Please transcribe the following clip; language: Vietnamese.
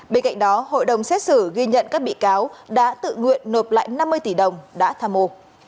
bên cạnh đó hội đồng xét xử ghi nhận các bị cáo đã tự nguyện nộp lại năm mươi tỷ đồng đã tham mô